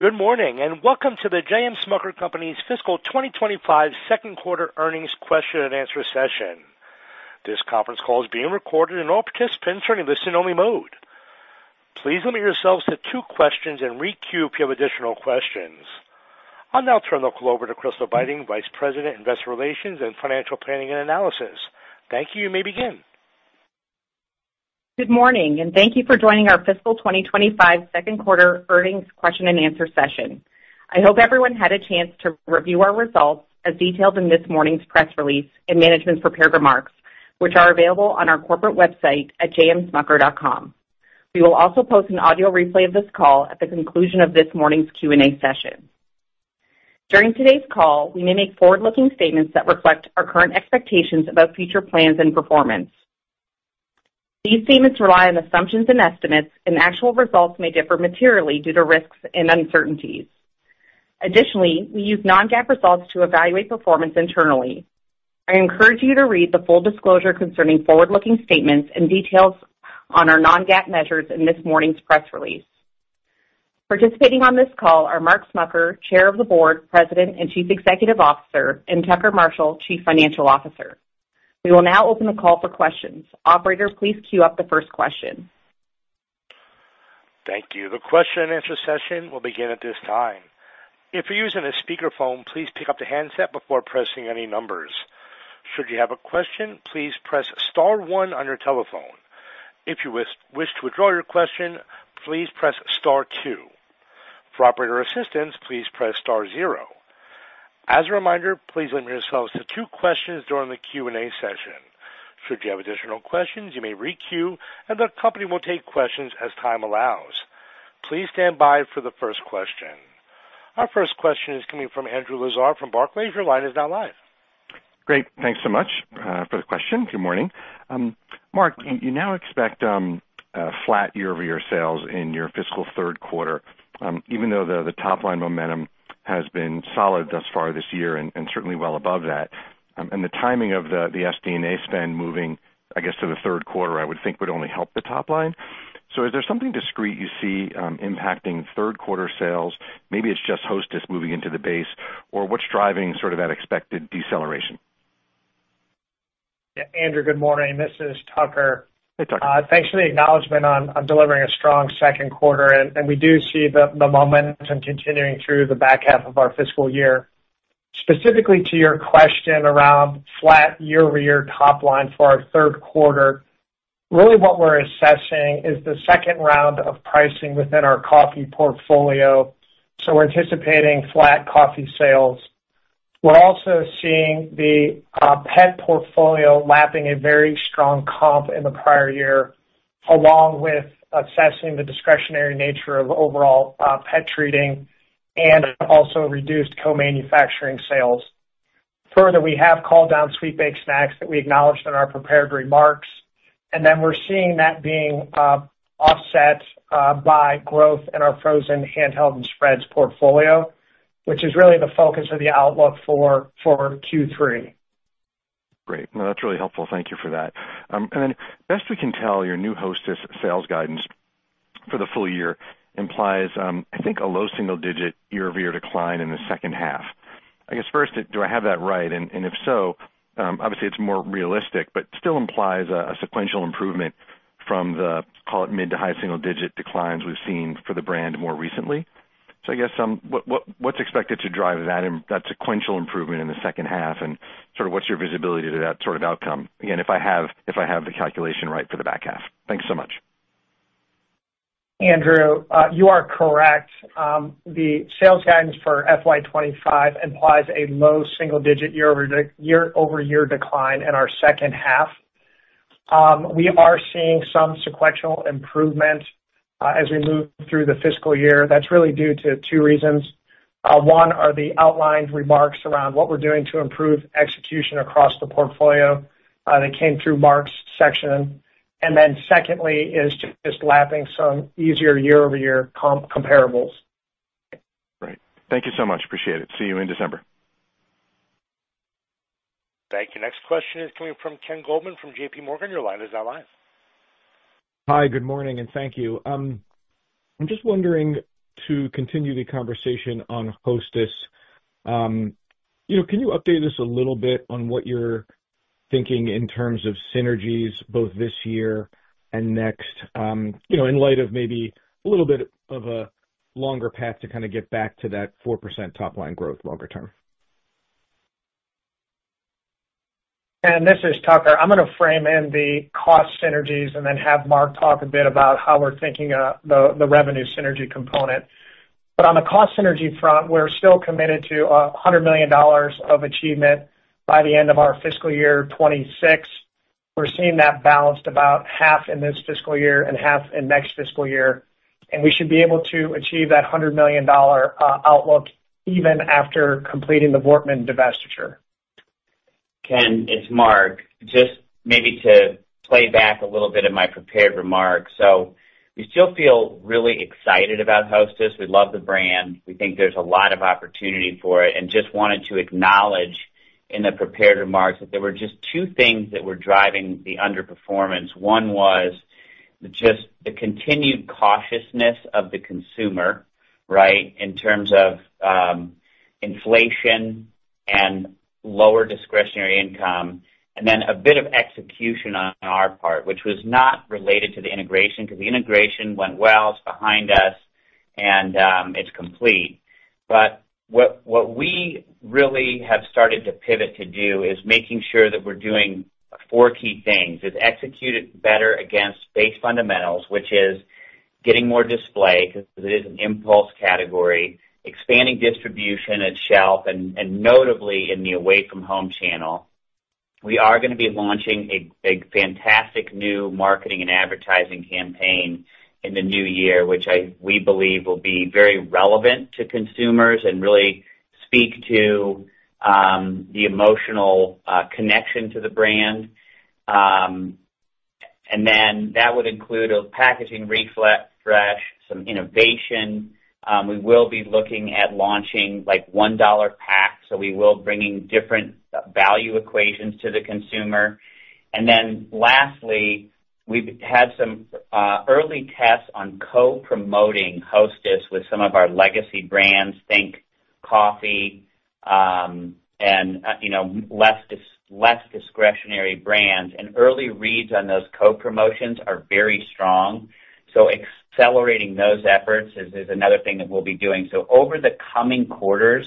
Good morning and welcome to The J.M. Smucker Company's Fiscal 2025 Second Quarter Earnings Question and Answer Session. This conference call is being recorded, and all participants are in a listen-only mode. Please limit yourselves to two questions and re-queue if you have additional questions. I'll now turn the call over to Crystal Beiting, Vice President, Investor Relations and Financial Planning and Analysis. Thank you, you may begin. Good morning, and thank you for joining our Fiscal 2025 Second Quarter Earnings Question and Answer Session. I hope everyone had a chance to review our results as detailed in this morning's press release and management's prepared remarks, which are available on our corporate website at jmsmucker.com. We will also post an audio replay of this call at the conclusion of this morning's Q&A session. During today's call, we may make forward-looking statements that reflect our current expectations about future plans and performance. These statements rely on assumptions and estimates, and actual results may differ materially due to risks and uncertainties. Additionally, we use non-GAAP results to evaluate performance internally. I encourage you to read the full disclosure concerning forward-looking statements and details on our non-GAAP measures in this morning's press release. Participating on this call are Mark Smucker, Chair of the Board, President and Chief Executive Officer, and Tucker Marshall, Chief Financial Officer. We will now open the call for questions. Operator, please queue up the first question. Thank you. The question and answer session will begin at this time. If you're using a speakerphone, please pick up the handset before pressing any numbers. Should you have a question, please press Star 1 on your telephone. If you wish to withdraw your question, please press Star 2. For operator assistance, please press Star 0. As a reminder, please limit yourselves to two questions during the Q&A session. Should you have additional questions, you may re-queue, and the company will take questions as time allows. Please stand by for the first question. Our first question is coming from Andrew Lazar from Barclays. Your line is now live. Great. Thanks so much for the question. Good morning. Mark, you now expect a flat year for your sales in your fiscal third quarter, even though the top-line momentum has been solid thus far this year and certainly well above that. And the timing of the SG&A spend moving, I guess, to the third quarter, I would think would only help the top line. So is there something discrete you see impacting third quarter sales? Maybe it's just Hostess moving into the base, or what's driving sort of that expected deceleration? Yeah. Andrew, good morning. This is Tucker. Hey, Tucker. Thanks for the acknowledgment on delivering a strong second quarter. And we do see the momentum continuing through the back half of our fiscal year. Specifically to your question around flat year-over-year top line for our third quarter, really what we're assessing is the second round of pricing within our coffee portfolio. So we're anticipating flat coffee sales. We're also seeing the pet portfolio lapping a very strong comp in the prior year, along with assessing the discretionary nature of overall pet treating and also reduced co-manufacturing sales. Further, we have called down sweet baked snacks that we acknowledged in our prepared remarks. And then we're seeing that being offset by growth in our frozen handheld and spreads portfolio, which is really the focus of the outlook for Q3. Great. No, that's really helpful. Thank you for that. And then, best we can tell, your new Hostess sales guidance for the full year implies, I think, a low single-digit year-over-year decline in the second half. I guess first, do I have that right? And if so, obviously, it's more realistic, but still implies a sequential improvement from the, call it, mid to high single-digit declines we've seen for the brand more recently. So I guess what's expected to drive that sequential improvement in the second half? And sort of what's your visibility to that sort of outcome? Again, if I have the calculation right for the back half. Thanks so much. Andrew, you are correct. The sales guidance for FY 25 implies a low single-digit year-over-year decline in our second half. We are seeing some sequential improvement as we move through the fiscal year. That's really due to two reasons. One is the outlined remarks around what we're doing to improve execution across the portfolio that came through Mark's section, and then secondly is just lapping some easier year-over-year comparables. Right. Thank you so much. Appreciate it. See you in December. Thank you. Next question is coming from Ken Goldman from JPMorgan. Your line is now live. Hi, good morning, and thank you. I'm just wondering to continue the conversation on Hostess. Can you update us a little bit on what you're thinking in terms of synergies both this year and next, in light of maybe a little bit of a longer path to kind of get back to that 4% top-line growth longer term? This is Tucker. I'm going to frame in the cost synergies and then have Mark talk a bit about how we're thinking the revenue synergy component. But on the cost synergy front, we're still committed to $100 million of achievement by the end of our fiscal year 2026. We're seeing that balanced about half in this fiscal year and half in next fiscal year. We should be able to achieve that $100 million outlook even after completing the Voortman divestiture. Ken, it's Mark. Just maybe to play back a little bit of my prepared remarks. So we still feel really excited about Hostess. We love the brand. We think there's a lot of opportunity for it. And just wanted to acknowledge in the prepared remarks that there were just two things that were driving the underperformance. One was just the continued cautiousness of the consumer, right, in terms of inflation and lower discretionary income, and then a bit of execution on our part, which was not related to the integration because the integration went well. It's behind us, and it's complete. But what we really have started to pivot to do is making sure that we're doing four key things. It's executed better against base fundamentals, which is getting more display because it is an impulse category, expanding distribution at shelf, and notably in the away-from-home channel. We are going to be launching a fantastic new marketing and advertising campaign in the new year, which we believe will be very relevant to consumers and really speak to the emotional connection to the brand, and then that would include a packaging refresh, some innovation. We will be looking at launching like $1 pack, so we will bring in different value equations to the consumer, and then lastly, we've had some early tests on co-promoting Hostess with some of our legacy brands, think coffee and less discretionary brands, and early reads on those co-promotions are very strong, so accelerating those efforts is another thing that we'll be doing, so over the coming quarters,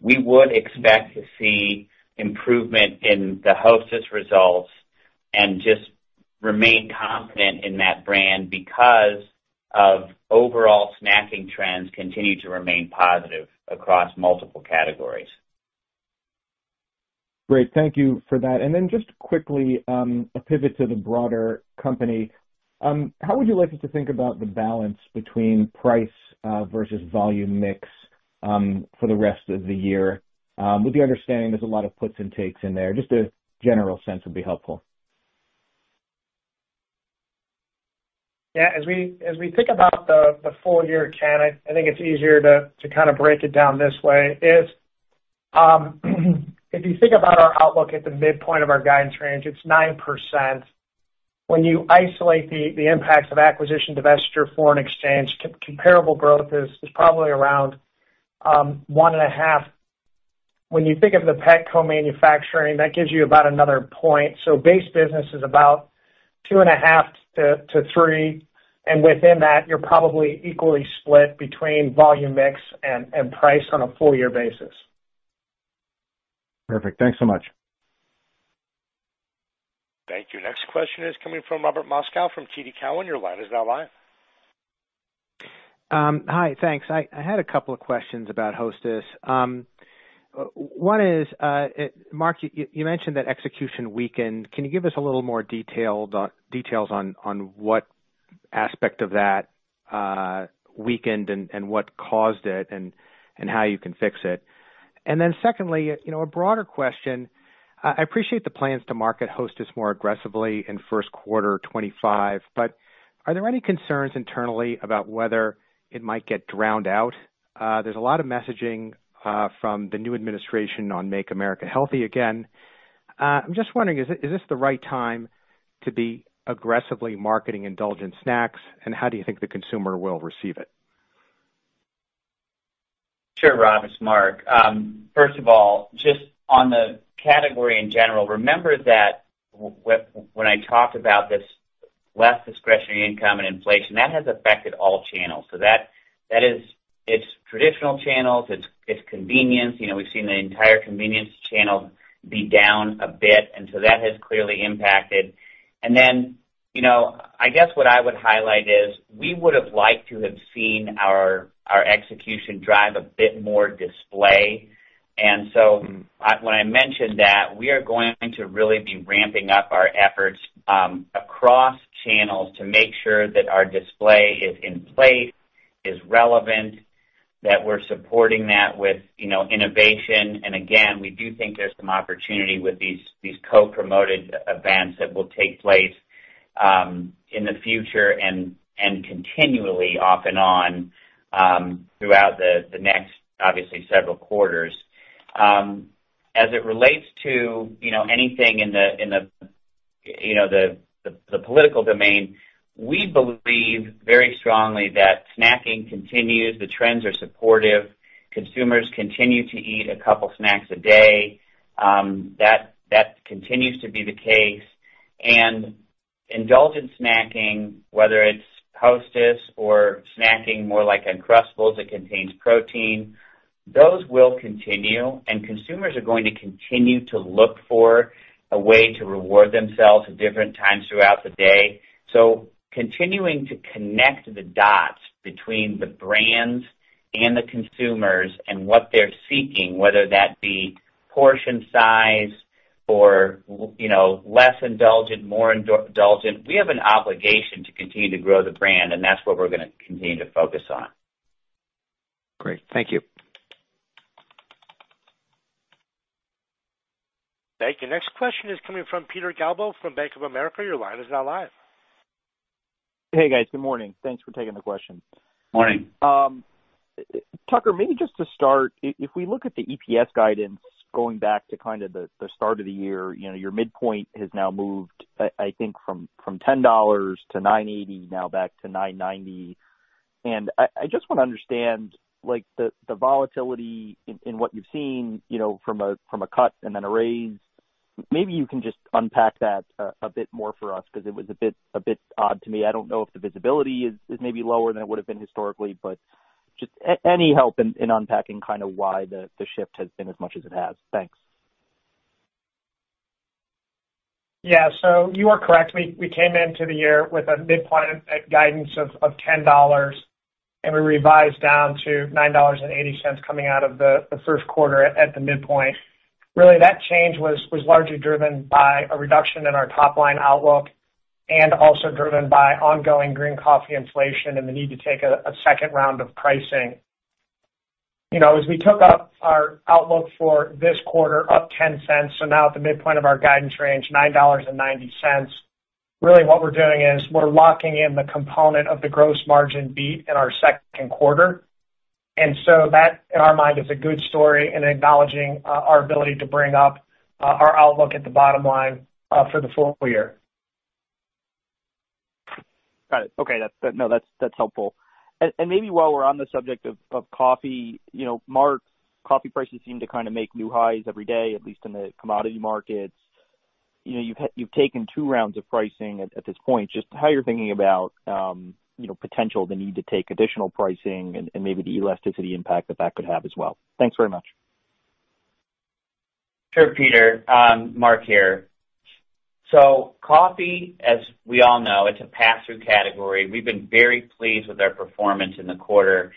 we would expect to see improvement in the Hostess results and just remain confident in that brand because of overall snacking trends continue to remain positive across multiple categories. Great. Thank you for that. And then just quickly, a pivot to the broader company. How would you like us to think about the balance between price versus volume mix for the rest of the year? With the understanding there's a lot of puts and takes in there. Just a general sense would be helpful. Yeah. As we think about the full year, Ken, I think it's easier to kind of break it down this way. If you think about our outlook at the midpoint of our guidance range, it's 9%. When you isolate the impacts of acquisition, divestiture, foreign exchange, comparable growth is probably around one and a half. When you think of the pet co-manufacturing, that gives you about another point. So base business is about two and a half to three. And within that, you're probably equally split between volume mix and price on a full-year basis. Perfect. Thanks so much. Thank you. Next question is coming from Robert Moskow from TD Cowen. Your line is now live. Hi, thanks. I had a couple of questions about Hostess. One is, Mark, you mentioned that execution weakened. Can you give us a little more details on what aspect of that weakened and what caused it and how you can fix it? And then secondly, a broader question. I appreciate the plans to market Hostess more aggressively in first quarter 2025, but are there any concerns internally about whether it might get drowned out? There's a lot of messaging from the new administration on Make America Healthy Again. I'm just wondering, is this the right time to be aggressively marketing indulgent snacks? And how do you think the consumer will receive it? Sure, Rob. It's Mark. First of all, just on the category in general, remember that when I talked about this less discretionary income and inflation, that has affected all channels. So that is, it's traditional channels. It's convenience. We've seen the entire convenience channel be down a bit. And so that has clearly impacted. And then I guess what I would highlight is we would have liked to have seen our execution drive a bit more display. And so when I mentioned that, we are going to really be ramping up our efforts across channels to make sure that our display is in place, is relevant, that we're supporting that with innovation. And again, we do think there's some opportunity with these co-promoted events that will take place in the future and continually off and on throughout the next, obviously, several quarters. As it relates to anything in the political domain, we believe very strongly that snacking continues. The trends are supportive. Consumers continue to eat a couple of snacks a day. That continues to be the case. And indulgent snacking, whether it's Hostess or snacking more like Uncrustables that contains protein, those will continue. And consumers are going to continue to look for a way to reward themselves at different times throughout the day. So continuing to connect the dots between the brands and the consumers and what they're seeking, whether that be portion size or less indulgent, more indulgent, we have an obligation to continue to grow the brand. And that's what we're going to continue to focus on. Great. Thank you. Thank you. Next question is coming from Peter Galbo from Bank of America. Your line is now live. Hey, guys. Good morning. Thanks for taking the question. Morning. Tucker, maybe just to start, if we look at the EPS guidance going back to kind of the start of the year, your midpoint has now moved, I think, from $10 to $9.80, now back to $9.90. And I just want to understand the volatility in what you've seen from a cut and then a raise. Maybe you can just unpack that a bit more for us because it was a bit odd to me. I don't know if the visibility is maybe lower than it would have been historically, but just any help in unpacking kind of why the shift has been as much as it has. Thanks. Yeah. So you are correct. We came into the year with a midpoint guidance of $10, and we revised down to $9.80 coming out of the first quarter at the midpoint. Really, that change was largely driven by a reduction in our top-line outlook and also driven by ongoing green coffee inflation and the need to take a second round of pricing. As we took up our outlook for this quarter, up $0.10, so now at the midpoint of our guidance range, $9.90, really what we're doing is we're locking in the component of the gross margin beat in our second quarter, and so that, in our mind, is a good story in acknowledging our ability to bring up our outlook at the bottom line for the full year. Got it. Okay. No, that's helpful and maybe while we're on the subject of coffee, Mark, coffee prices seem to kind of make new highs every day, at least in the commodity markets. You've taken two rounds of pricing at this point. Just how you're thinking about potential, the need to take additional pricing, and maybe the elasticity impact that that could have as well? Thanks very much. Sure, Peter. Mark here. So coffee, as we all know, it's a pass-through category. We've been very pleased with our performance in the quarter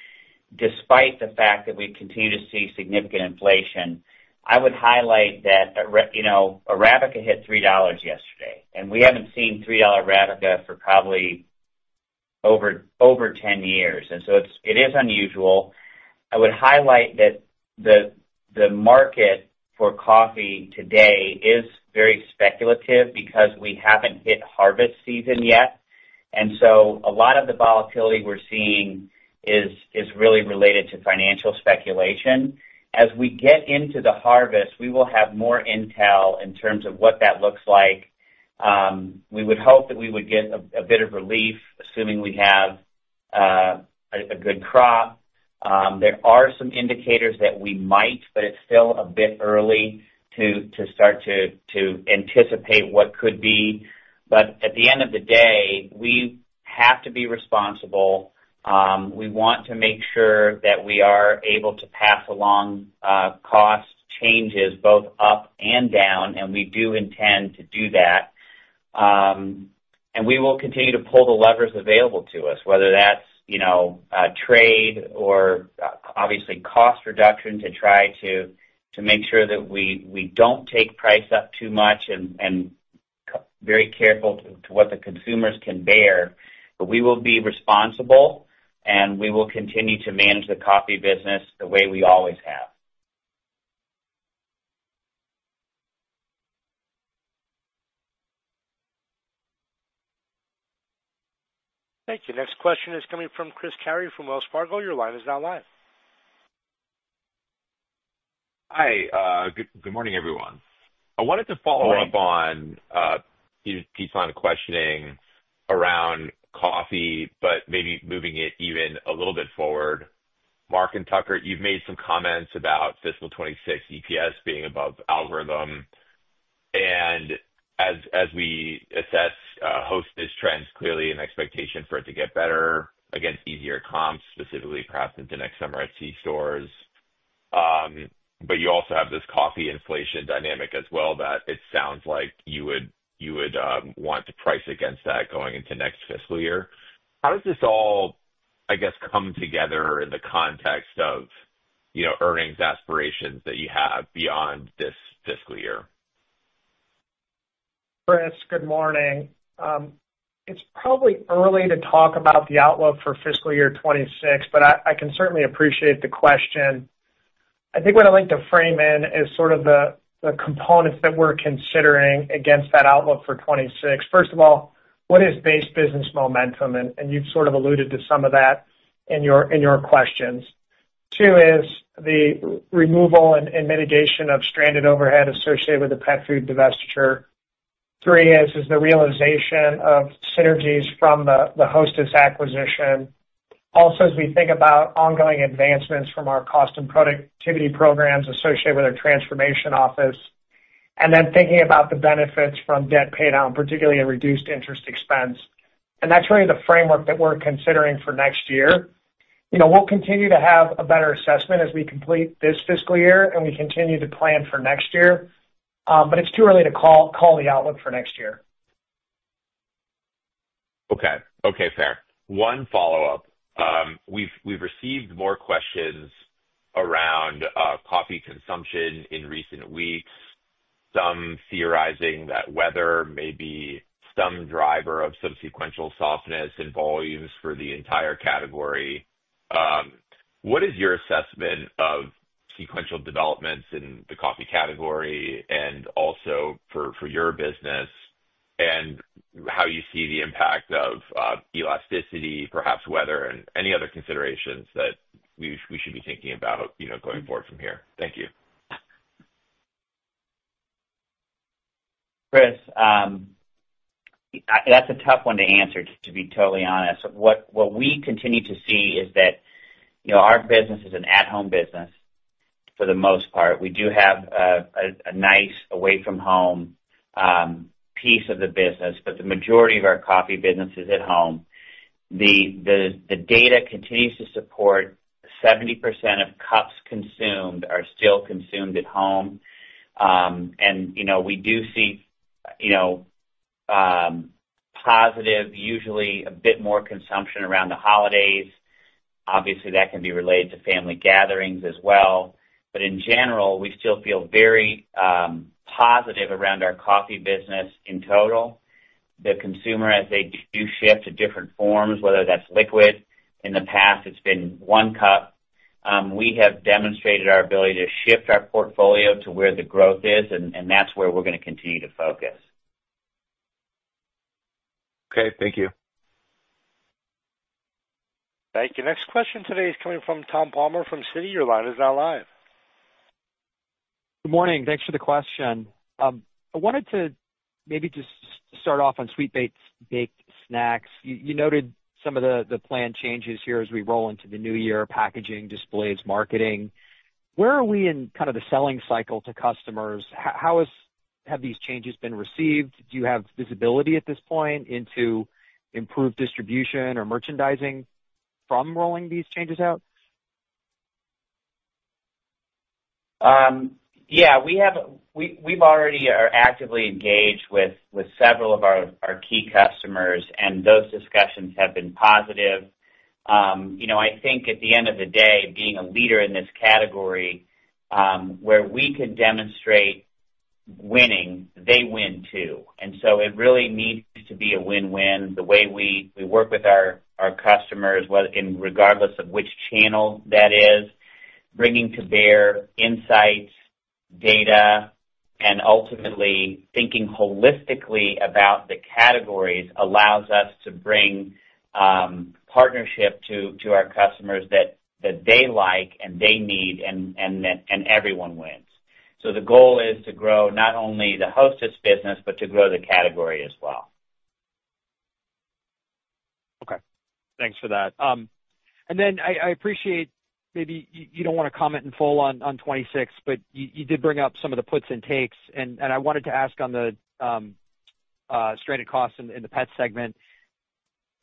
despite the fact that we continue to see significant inflation. I would highlight that Arabica hit $3 yesterday, and we haven't seen $3 Arabica for probably over 10 years, and so it is unusual. I would highlight that the market for coffee today is very speculative because we haven't hit harvest season yet, and so a lot of the volatility we're seeing is really related to financial speculation. As we get into the harvest, we will have more intel in terms of what that looks like. We would hope that we would get a bit of relief, assuming we have a good crop. There are some indicators that we might, but it's still a bit early to start to anticipate what could be. But at the end of the day, we have to be responsible. We want to make sure that we are able to pass along cost changes both up and down. And we do intend to do that. And we will continue to pull the levers available to us, whether that's trade or obviously cost reduction to try to make sure that we don't take price up too much and very careful to what the consumers can bear. But we will be responsible, and we will continue to manage the coffee business the way we always have. Thank you. Next question is coming from Chris Carey from Wells Fargo. Your line is now live. Hi. Good morning, everyone. I wanted to follow up on Pete's line of questioning around coffee, but maybe moving it even a little bit forward. Mark and Tucker, you've made some comments about Fiscal 2026 EPS being above algorithm. And as we assess Hostess trends, clearly an expectation for it to get better against easier comps, specifically perhaps into next summer at c-stores. But you also have this coffee inflation dynamic as well that it sounds like you would want to price against that going into next fiscal year. How does this all, I guess, come together in the context of earnings aspirations that you have beyond this fiscal year? Chris, good morning. It's probably early to talk about the outlook for Fiscal 2026, but I can certainly appreciate the question. I think what I'd like to frame in is sort of the components that we're considering against that outlook for 2026. First of all, what is base business momentum? And you've sort of alluded to some of that in your questions. Two is the removal and mitigation of stranded overhead associated with the pet food divestiture. Three is the realization of synergies from the Hostess acquisition. Also, as we think about ongoing advancements from our cost and productivity programs associated with our Transformation Office, and then thinking about the benefits from debt paydown, particularly a reduced interest expense. And that's really the framework that we're considering for next year. We'll continue to have a better assessment as we complete this fiscal year and we continue to plan for next year. But it's too early to call the outlook for next year. Okay. Okay, fair. One follow-up. We've received more questions around coffee consumption in recent weeks, some theorizing that weather may be some driver of subsequent softness in volumes for the entire category. What is your assessment of sequential developments in the coffee category and also for your business, and how you see the impact of elasticity, perhaps weather, and any other considerations that we should be thinking about going forward from here? Thank you. Chris, that's a tough one to answer, to be totally honest. What we continue to see is that our business is an at-home business for the most part. We do have a nice away-from-home piece of the business, but the majority of our coffee business is at home. The data continues to support 70% of cups consumed are still consumed at home, and we do see positive, usually a bit more consumption around the holidays. Obviously, that can be related to family gatherings as well. But in general, we still feel very positive around our coffee business in total. The consumer, as they do shift to different forms, whether that's liquid, in the past, it's been one cup. We have demonstrated our ability to shift our portfolio to where the growth is, and that's where we're going to continue to focus. Okay. Thank you. Thank you. Next question today is coming from Tom Palmer from Citi. Your line is now live. Good morning. Thanks for the question. I wanted to maybe just start off on sweet baked snacks. You noted some of the planned changes here as we roll into the new year, packaging, displays, marketing. Where are we in kind of the selling cycle to customers? How have these changes been received? Do you have visibility at this point into improved distribution or merchandising from rolling these changes out? Yeah. We've already actively engaged with several of our key customers, and those discussions have been positive. I think at the end of the day, being a leader in this category, where we can demonstrate winning, they win too, and so it really needs to be a win-win. The way we work with our customers, regardless of which channel that is, bringing to bear insights, data, and ultimately thinking holistically about the categories allows us to bring partnership to our customers that they like and they need, and everyone wins, so the goal is to grow not only the Hostess business, but to grow the category as well. Okay. Thanks for that. And then I appreciate maybe you don't want to comment in full on '26, but you did bring up some of the puts and takes. And I wanted to ask on the stranded costs in the pet segment.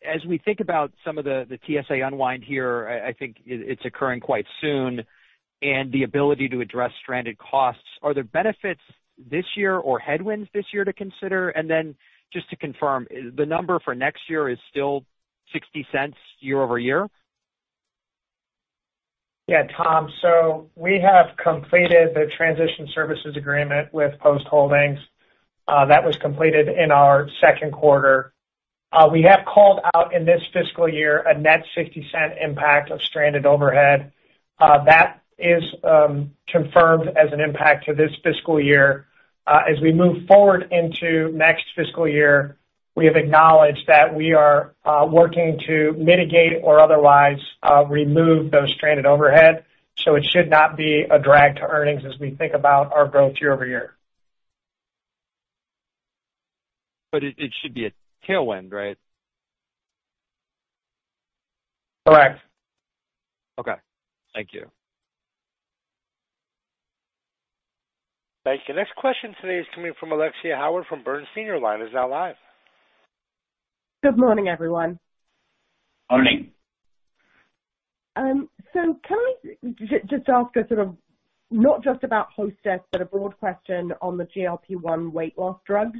As we think about some of the TSA unwind here, I think it's occurring quite soon, and the ability to address stranded costs, are there benefits this year or headwinds this year to consider? And then just to confirm, the number for next year is still $0.60 year-over-year? Yeah, Tom. So we have completed the Transition Services Agreement with Post Holdings. That was completed in our second quarter. We have called out in this fiscal year a net $0.60 impact of stranded overhead. That is confirmed as an impact to this fiscal year. As we move forward into next fiscal year, we have acknowledged that we are working to mitigate or otherwise remove those stranded overhead. So it should not be a drag to earnings as we think about our growth year-over-year. But it should be a tailwind, right? Correct. Okay. Thank you. Thank you. Next question today is coming from Alexia Howard from Bernstein. She's now live. Good morning, everyone. Morning. So can we just ask a sort of not just about Hostess, but a broad question on the GLP-1 weight loss drugs,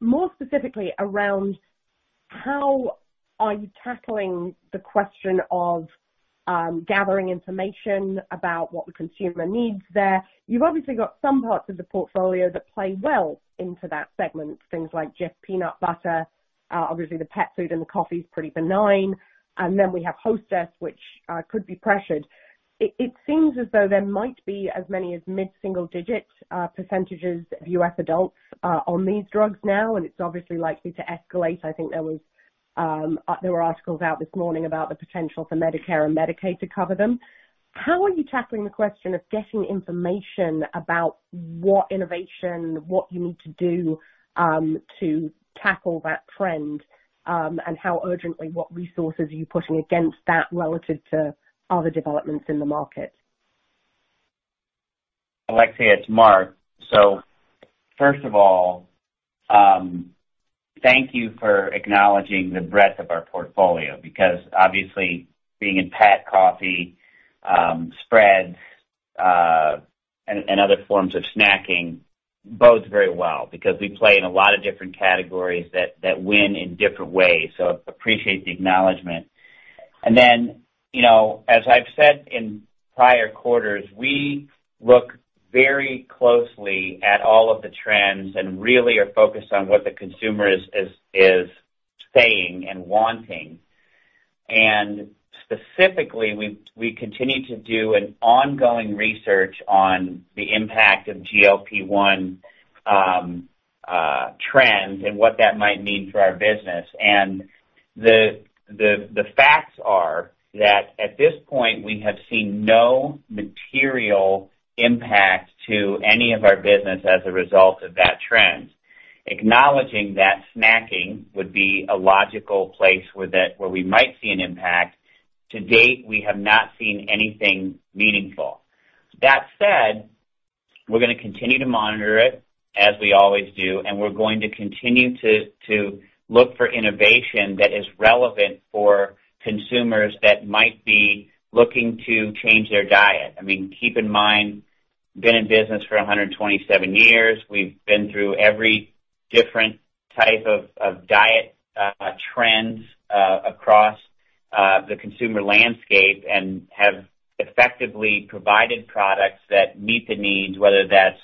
more specifically around how are you tackling the question of gathering information about what the consumer needs there? You've obviously got some parts of the portfolio that play well into that segment, things like Jif peanut butter. Obviously, the pet food and the coffee is pretty benign. And then we have Hostess, which could be pressured. It seems as though there might be as many as mid-single-digit % of U.S. adults on these drugs now, and it's obviously likely to escalate. I think there were articles out this morning about the potential for Medicare and Medicaid to cover them. How are you tackling the question of getting information about what innovation what you need to do to tackle that trend, and how urgently what resources are you putting against that relative to other developments in the market? Alexia, it's Mark. So first of all, thank you for acknowledging the breadth of our portfolio because obviously being in pet coffee, spreads, and other forms of snacking bodes very well because we play in a lot of different categories that win in different ways. So I appreciate the acknowledgment. And then, as I've said in prior quarters, we look very closely at all of the trends and really are focused on what the consumer is saying and wanting. And specifically, we continue to do an ongoing research on the impact of GLP-1 trends and what that might mean for our business. And the facts are that at this point, we have seen no material impact to any of our business as a result of that trend. Acknowledging that snacking would be a logical place where we might see an impact. To date, we have not seen anything meaningful. That said, we're going to continue to monitor it as we always do, and we're going to continue to look for innovation that is relevant for consumers that might be looking to change their diet. I mean, keep in mind, been in business for 127 years. We've been through every different type of diet trends across the consumer landscape and have effectively provided products that meet the needs, whether that's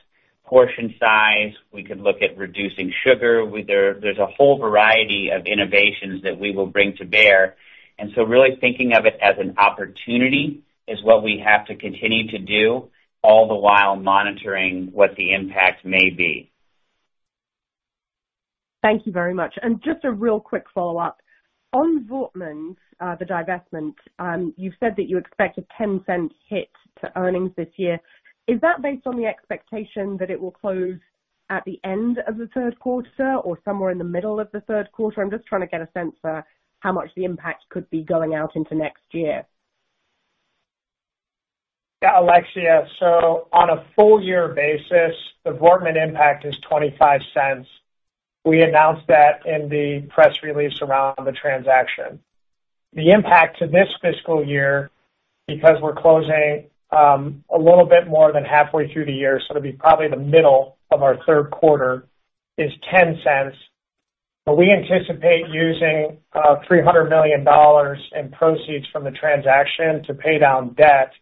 portion size. We could look at reducing sugar. There's a whole variety of innovations that we will bring to bear, and so really thinking of it as an opportunity is what we have to continue to do all the while monitoring what the impact may be. Thank you very much. And just a real quick follow-up. On Voortman’s, the divestment, you’ve said that you expect a $0.10 hit to earnings this year. Is that based on the expectation that it will close at the end of the third quarter or somewhere in the middle of the third quarter? I’m just trying to get a sense for how much the impact could be going out into next year. Yeah, Alexia. So on a full-year basis, the Voortman impact is $0.25. We announced that in the press release around the transaction. The impact to this fiscal year, because we're closing a little bit more than halfway through the year, so it'll be probably the middle of our third quarter, is $0.10. But we anticipate using $300 million in proceeds from the transaction to pay down debt,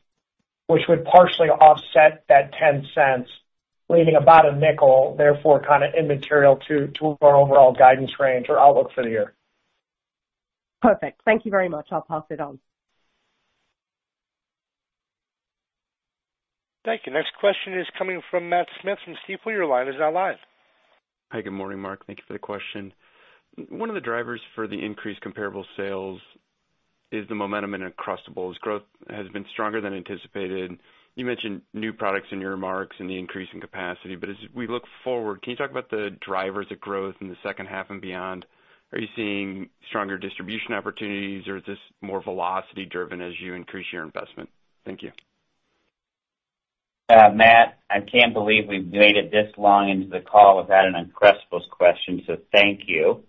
which would partially offset that $0.10, leaving about $0.05, therefore kind of immaterial to our overall guidance range or outlook for the year. Perfect. Thank you very much. I'll pass it on. Thank you. Next question is coming from Matt Smith from Stifel. He's now live. Hi, good morning, Mark. Thank you for the question. One of the drivers for the increased comparable sales is the momentum across the board. Growth has been stronger than anticipated. You mentioned new products in your remarks and the increase in capacity. But as we look forward, can you talk about the drivers of growth in the second half and beyond? Are you seeing stronger distribution opportunities, or is this more velocity-driven as you increase your investment? Thank you. Matt, I can't believe we've waited this long into the call without an Uncrustables question, so thank you.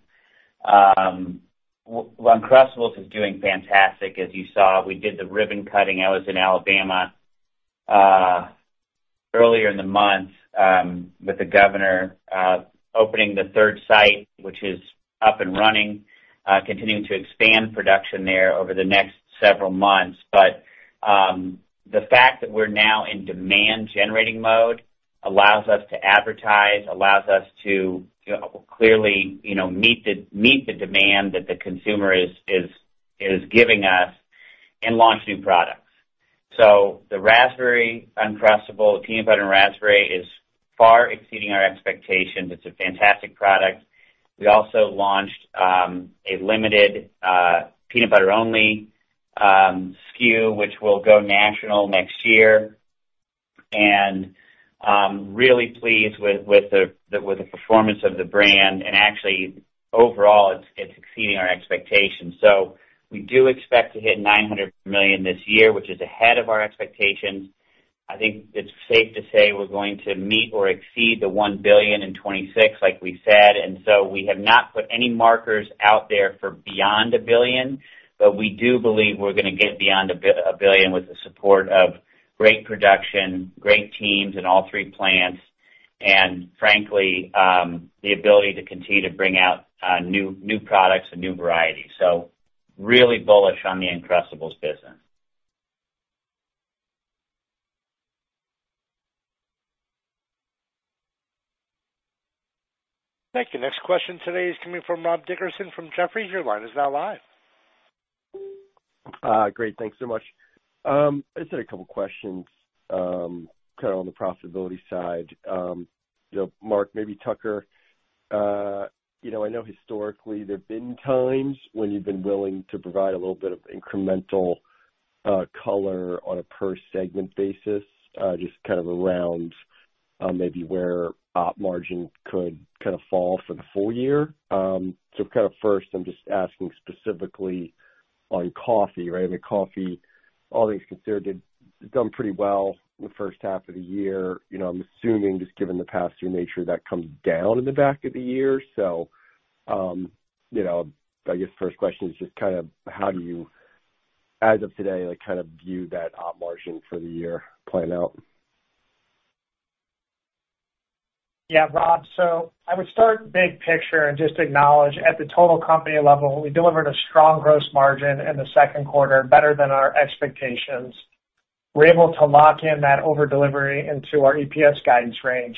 Uncrustables is doing fantastic, as you saw. We did the ribbon cutting. I was in Alabama earlier in the month with the governor opening the third site, which is up and running, continuing to expand production there over the next several months, but the fact that we're now in demand-generating mode allows us to advertise, allows us to clearly meet the demand that the consumer is giving us, and launch new products, so the raspberry Uncrustables, peanut butter and raspberry, is far exceeding our expectations. It's a fantastic product. We also launched a limited peanut butter-only SKU, which will go national next year, and really pleased with the performance of the brand, and actually, overall, it's exceeding our expectations. So we do expect to hit $900 million this year, which is ahead of our expectations. I think it's safe to say we're going to meet or exceed the $1 billion in 2026, like we said. And so we have not put any markers out there for beyond $1 billion, but we do believe we're going to get beyond $1 billion with the support of great production, great teams in all three plants, and frankly, the ability to continue to bring out new products and new varieties. So really bullish on the Uncrustables business. Thank you. Next question today is coming from Rob Dickerson from Jefferies. Your line is now live. Great. Thanks so much. I just had a couple of questions kind of on the profitability side. Mark, maybe Tucker. I know historically there've been times when you've been willing to provide a little bit of incremental color on a per-segment basis, just kind of around maybe where op margin could kind of fall for the full year. So kind of first, I'm just asking specifically on coffee, right? I mean, coffee, all things considered, has done pretty well in the first half of the year. I'm assuming, just given the past year nature, that comes down in the back of the year. So I guess the first question is just kind of how do you, as of today, kind of view that op margin for the year playing out? Yeah, Rob. So I would start big picture and just acknowledge at the total company level, we delivered a strong gross margin in the second quarter, better than our expectations. We're able to lock in that over-delivery into our EPS guidance range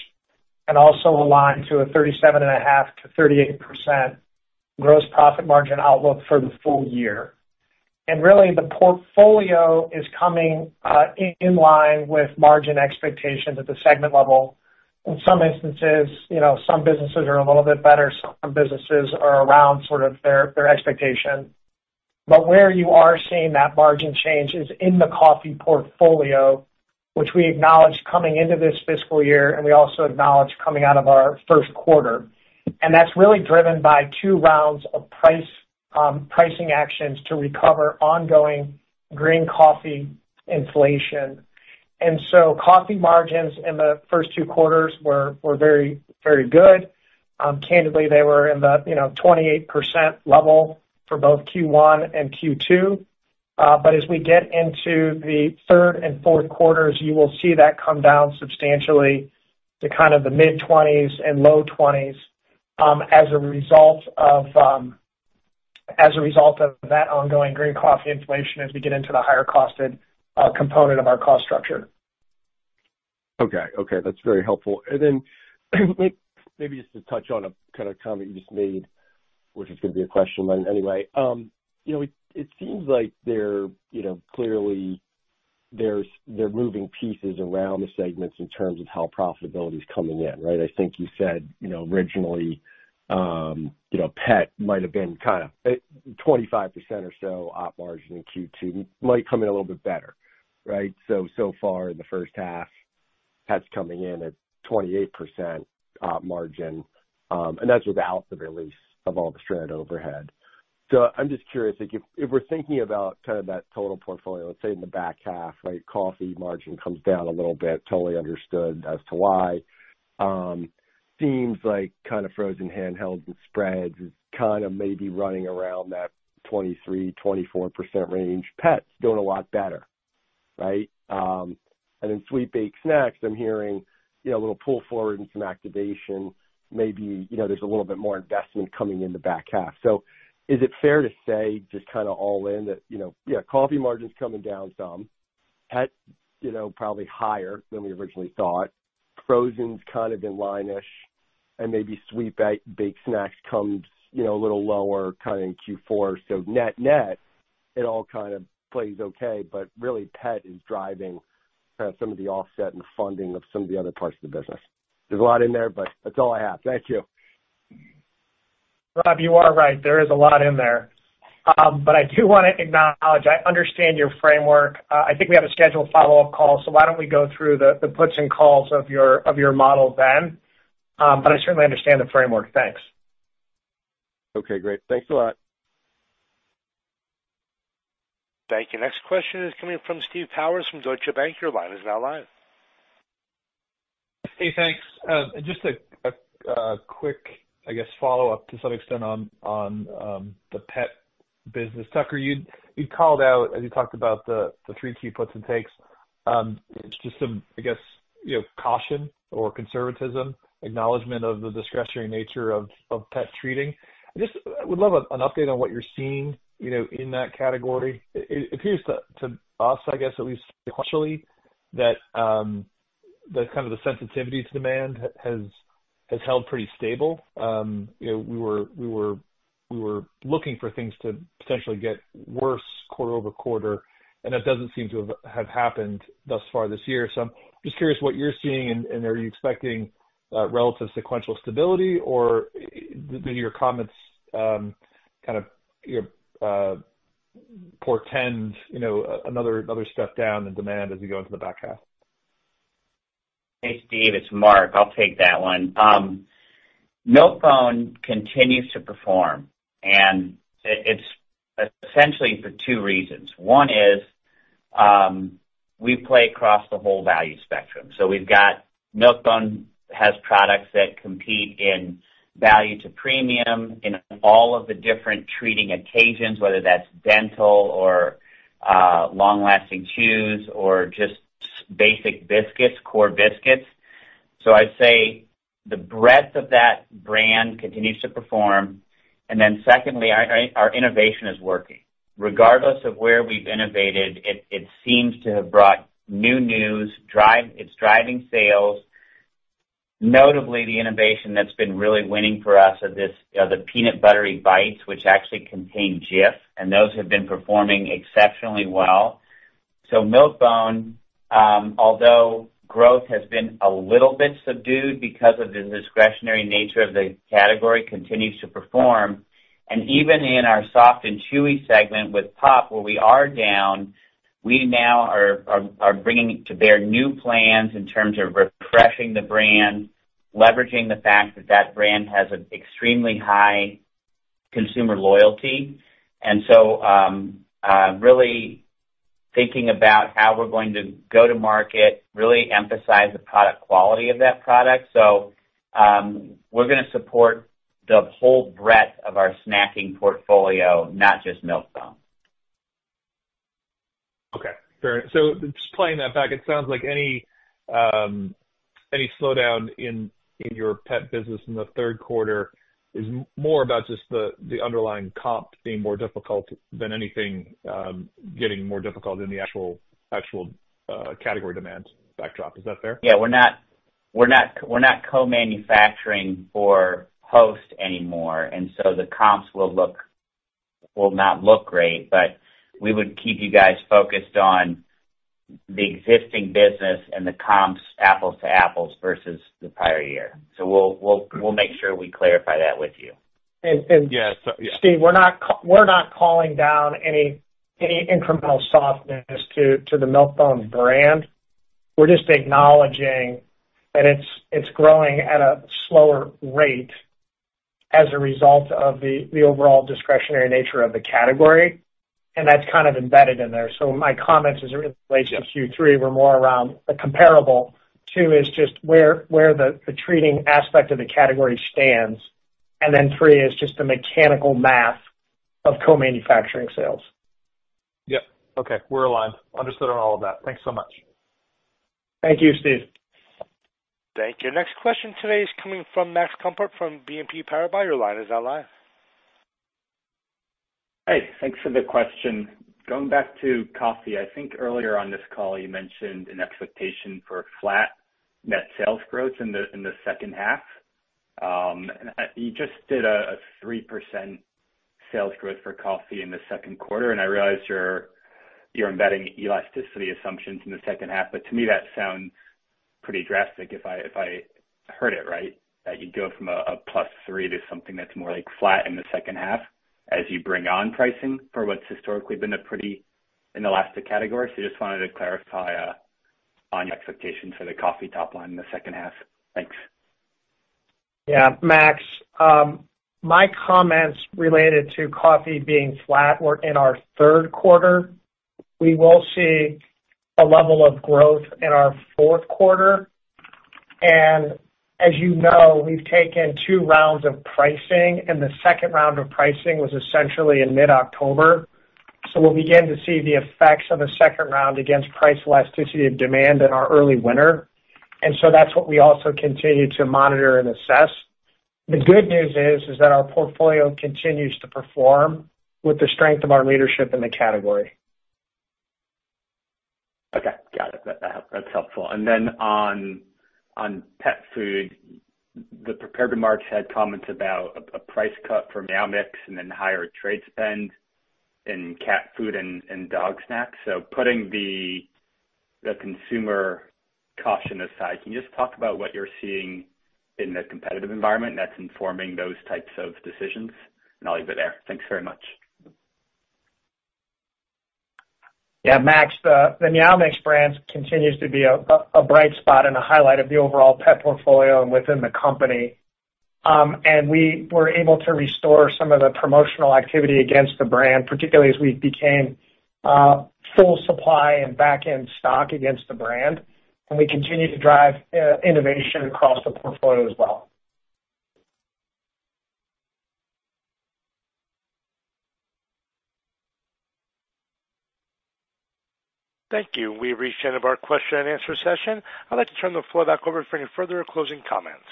and also align to a 37.5%-38% gross profit margin outlook for the full year. And really, the portfolio is coming in line with margin expectations at the segment level. In some instances, some businesses are a little bit better. Some businesses are around sort of their expectation. But where you are seeing that margin change is in the coffee portfolio, which we acknowledged coming into this fiscal year, and we also acknowledged coming out of our first quarter. And that's really driven by two rounds of pricing actions to recover ongoing green coffee inflation. Coffee margins in the first two quarters were very, very good. Candidly, they were in the 28% level for both Q1 and Q2. But as we get into the third and fourth quarters, you will see that come down substantially to kind of the mid-20s and low 20s as a result of that ongoing green coffee inflation as we get into the higher-costed component of our cost structure. Okay. Okay. That's very helpful. And then maybe just to touch on a kind of comment you just made, which is going to be a question, but anyway, it seems like clearly there are moving pieces around the segments in terms of how profitability is coming in, right? I think you said originally pet might have been kind of 25% or so op margin in Q2. It might come in a little bit better, right? So so far, in the first half, pet's coming in at 28% op margin. And that's without the release of all the stranded overhead. So I'm just curious, if we're thinking about kind of that total portfolio, let's say in the back half, right, coffee margin comes down a little bit, totally understood as to why. Seems like kind of frozen handhelds and spreads is kind of maybe running around that 23%-24% range. Pets doing a lot better, right? And then sweet baked snacks, I'm hearing a little pull forward and some activation. Maybe there's a little bit more investment coming in the back half. So is it fair to say just kind of all in that, yeah, coffee margin's coming down some, pet probably higher than we originally thought, frozen's kind of in line-ish, and maybe sweet baked snacks comes a little lower kind of in Q4. So net-net, it all kind of plays okay. But really, pet is driving kind of some of the offset and funding of some of the other parts of the business. There's a lot in there, but that's all I have. Thank you. Rob, you are right. There is a lot in there. But I do want to acknowledge I understand your framework. I think we have a scheduled follow-up call, so why don't we go through the puts and calls of your model then? But I certainly understand the framework. Thanks. Okay. Great. Thanks a lot. Thank you. Next question is coming from Steve Powers from Deutsche Bank. Your line is now live. Hey, thanks. Just a quick, I guess, follow-up to some extent on the pet business. Tucker, you'd called out, as you talked about the three key puts and takes, just some, I guess, caution or conservatism, acknowledgment of the discretionary nature of pet treating. I just would love an update on what you're seeing in that category. It appears to us, I guess, at least partially, that kind of the sensitivity to demand has held pretty stable. We were looking for things to potentially get worse quarter over quarter, and that doesn't seem to have happened thus far this year. So I'm just curious what you're seeing, and are you expecting relative sequential stability, or do your comments kind of portend another step down in demand as we go into the back half? Hey, Steve. It's Mark. I'll take that one. Milk-Bone continues to perform, and it's essentially for two reasons. One is we play across the whole value spectrum. So Milk-Bone has products that compete in value to premium in all of the different treating occasions, whether that's dental or long-lasting chews or just basic biscuits, core biscuits. So I'd say the breadth of that brand continues to perform. And then secondly, our innovation is working. Regardless of where we've innovated, it seems to have brought new news. It's driving sales. Notably, the innovation that's been really winning for us are the Peanut Buttery Bites, which actually contain Jif, and those have been performing exceptionally well. So Milk-Bone, although growth has been a little bit subdued because of the discretionary nature of the category, continues to perform. And even in our soft and chewy segment with Pup-Peroni, where we are down, we now are bringing to bear new plans in terms of refreshing the brand, leveraging the fact that that brand has an extremely high consumer loyalty. And so really thinking about how we're going to go to market, really emphasize the product quality of that product. So we're going to support the whole breadth of our snacking portfolio, not just Milk-Bone. Okay. Fair enough. So just playing that back, it sounds like any slowdown in your pet business in the third quarter is more about just the underlying comp being more difficult than anything getting more difficult in the actual category demand backdrop. Is that fair? Yeah. We're not co-manufacturing for Hostess anymore, and so the comps will not look great, but we would keep you guys focused on the existing business and the comps, apples to apples versus the prior year, so we'll make sure we clarify that with you. And. Yes. Steve, we're not calling down any incremental softness to the Milk-Bone brand. We're just acknowledging that it's growing at a slower rate as a result of the overall discretionary nature of the category. And that's kind of embedded in there. So my comments as it relates to Q3 were more around the comparable. Two is just where the treating aspect of the category stands. And then three is just the mechanical math of co-manufacturing sales. Yep. Okay. We're aligned. Understood on all of that. Thanks so much. Thank you, Steve. Thank you. Next question today is coming from Max Gumport from BNP Paribas. Your line is now live. Hey. Thanks for the question. Going back to coffee, I think earlier on this call, you mentioned an expectation for flat net sales growth in the second half. You just did a 3% sales growth for coffee in the second quarter, and I realize you're embedding elasticity assumptions in the second half. But to me, that sounds pretty drastic if I heard it right, that you'd go from a plus three to something that's more flat in the second half as you bring on pricing for what's historically been a pretty inelastic category. So I just wanted to clarify on your expectations for the coffee top line in the second half. Thanks. Yeah. Max, my comments related to coffee being flat were in our third quarter. We will see a level of growth in our fourth quarter. And as you know, we've taken two rounds of pricing, and the second round of pricing was essentially in mid-October. So we'll begin to see the effects of a second round against price elasticity of demand in our early winter. And so that's what we also continue to monitor and assess. The good news is that our portfolio continues to perform with the strength of our leadership in the category. Okay. Got it. That's helpful. And then on pet food, the prepared remarks had comments about a price cut for Meow Mix and then higher trade spend in cat food and dog snacks. So putting the consumer caution aside, can you just talk about what you're seeing in the competitive environment that's informing those types of decisions? And I'll leave it there. Thanks very much. Yeah. Max, the Meow Mix brand continues to be a bright spot and a highlight of the overall pet portfolio and within the company. And we were able to restore some of the promotional activity against the brand, particularly as we became full supply and back-end stock against the brand. And we continue to drive innovation across the portfolio as well. Thank you. We've reached the end of our question and answer session. I'd like to turn the floor back over for any further closing comments.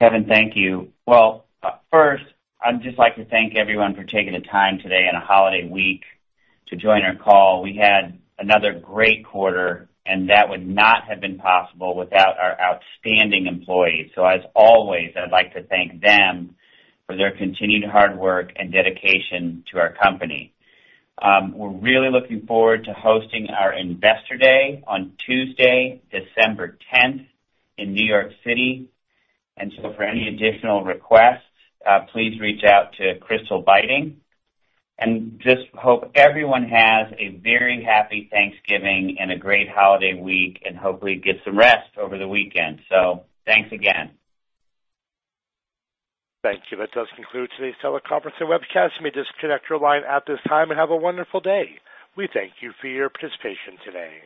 Kevin, thank you. Well, first, I'd just like to thank everyone for taking the time today in a holiday week to join our call. We had another great quarter, and that would not have been possible without our outstanding employees. So as always, I'd like to thank them for their continued hard work and dedication to our company. We're really looking forward to hosting our Investor Day on Tuesday, December 10th, in New York City. And so for any additional requests, please reach out to Crystal Beiting. And just hope everyone has a very happy Thanksgiving and a great holiday week, and hopefully get some rest over the weekend. So thanks again. Thank you. That does conclude today's teleconference and webcast. You may disconnect your line at this time and have a wonderful day. We thank you for your participation today.